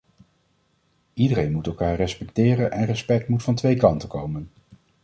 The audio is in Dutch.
Iedereen moet elkaar respecteren en respect moet van twee kanten komen.